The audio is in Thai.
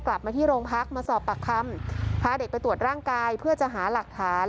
กลับมาที่โรงพักมาสอบปากคำพาเด็กไปตรวจร่างกายเพื่อจะหาหลักฐาน